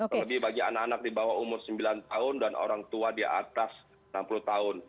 terlebih bagi anak anak di bawah umur sembilan tahun dan orang tua di atas enam puluh tahun